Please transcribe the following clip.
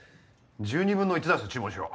１２分の１ダース注文しろ。